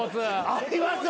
ありますよ！